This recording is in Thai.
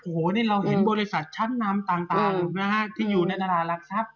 โอ้โหนี่เราเห็นบริษัทชั้นนำต่างนะฮะที่อยู่ในตลาดหลักทรัพย